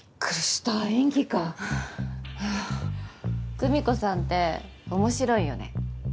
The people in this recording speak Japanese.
久美子さんって面白いよね。